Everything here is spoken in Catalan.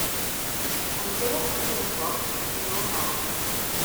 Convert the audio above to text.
En Pere no té un Porsche sinó un Audi.